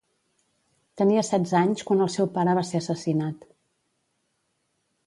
Tenia setze anys quan el seu pare va ser assassinat.